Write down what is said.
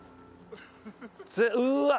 うわっ。